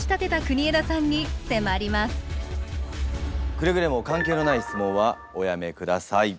くれぐれも関係のない質問はおやめください。